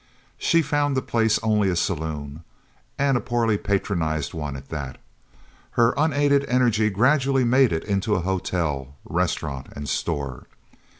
She found the place only a saloon, and a poorly patronized one at that. Her unaided energy gradually made it into a hotel, restaurant, and store.